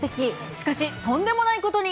しかし、とんでもないことに。